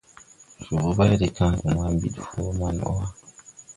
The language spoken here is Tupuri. Jobo bay de kããge ma ɓid fɔ man bɔ wà.